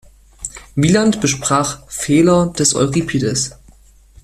Wieland besprach "Fehler" des Euripides.